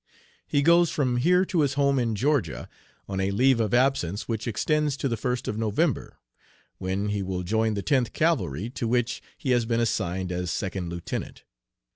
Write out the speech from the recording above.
He goes from here to his home in Georgia, on a leave of absence which extends to the first of November, when he will join the Tenth Cavalry, to which he has been assigned as Second Lieutenant.